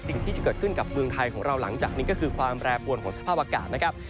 สิ่งที่จะเกิดขึ้นกับเมืองไทยของเราหลังจากนี้ก็คือความแปรปวนของสภาพอากาศนะครับ